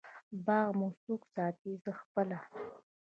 باغ مو څوک ساتی؟ زه پخپله